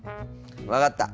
分かった！